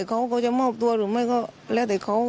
พี่ก็ไม่รู้เขาจะมอบตัวหรือไม่ก็แล้วแต่เขา